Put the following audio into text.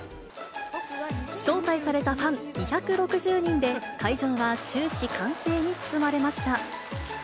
招待されたファン２６０人で、会場は終始歓声に包まれました。